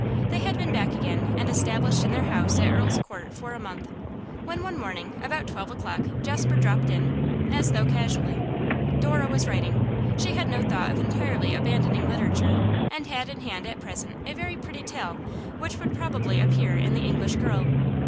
They had been back again and established in their house at Earl's Court for a month, when one morning about twelve o'clock Jasper dropped in, as though casually. Dora was writing; she had no thought of entirely abandoning literature, and had in hand at present a very pretty tale which would probably appear in The English Girl.